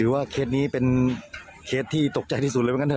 ว่าเคสนี้เป็นเคสที่ตกใจที่สุดเลยว่ากันเ